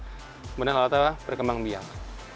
kemudian lalatnya berkembang biang